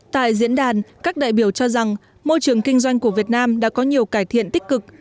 tại diễn đàn các đại biểu cho rằng môi trường kinh doanh của việt nam đã có nhiều cải thiện tích cực